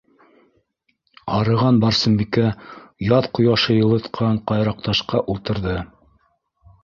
Арыған Барсынбикә яҙ ҡояшы йылытҡан ҡайраҡташҡа ултырҙы.